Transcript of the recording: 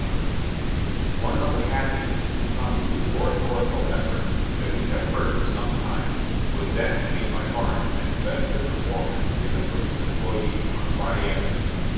Sun_. "One of the happiest impromptu oratorical efforts that we have heard for some time was that made by Barnum at the benefit performance given for his employés on Friday afternoon.